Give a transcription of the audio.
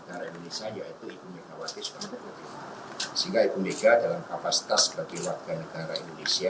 dari ibu mikawati soebarututri